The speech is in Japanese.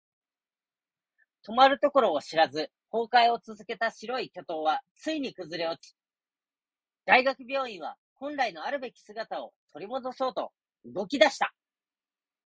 止まるところを知らず崩壊を続けた白い巨塔はついに崩れ落ち、大学病院は本来のあるべき姿を取り戻そうと動き出した。